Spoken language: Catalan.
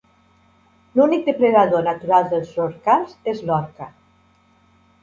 L'únic depredador natural dels rorquals és l'orca.